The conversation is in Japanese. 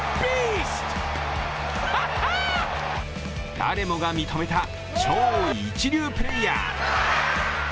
誰もが認めた超一流プレーヤー。